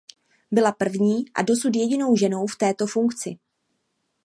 Byla první a dosud jedinou ženou v této funkci.